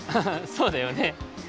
そうだよね。